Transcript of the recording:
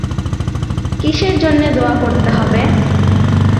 কিসের জন্যে দয়া করতে হবে?